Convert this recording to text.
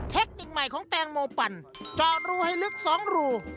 เทคนิคใหม่ของแตงโมปั่นเจาะรูให้ลึก๒รู